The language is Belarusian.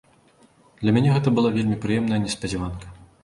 Для мяне гэта была вельмі прыемная неспадзяванка.